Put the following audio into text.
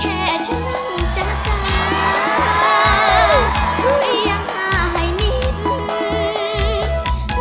แค่ฉันนั่งจ๊ะจ๊ะพูดยังไห้นิดหนึ่ง